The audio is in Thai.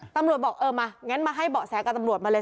ตำรวจบอกเออมางั้นมาให้เบาะแสกับตำรวจมาเลย